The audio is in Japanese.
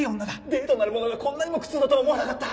デートなるものがこんなにも苦痛だとは思わなかった。